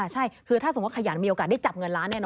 ใช่คือถ้าสมมุติขยันมีโอกาสได้จับเงินล้าน